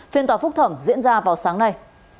phiên tòa phúc thẩm diễn ra vào sáng nay